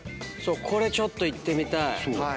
これちょっといってみたい。